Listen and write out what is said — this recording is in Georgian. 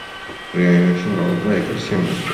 რაიონში მრავლადაა ეკლესია-მონასტრები.